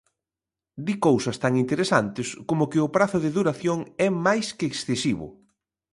Di cousas tan interesantes como que o prazo de duración é máis que excesivo.